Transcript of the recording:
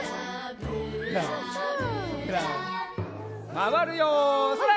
まわるよそれ！